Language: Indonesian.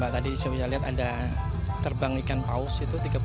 tadi di jepang saya lihat ada terbang ikan paus itu tiga puluh meter